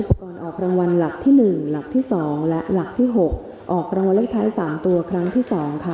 พร้อมแล้วจะออกกลางวันเล็กท้าย๓ตัวครั้งที่๒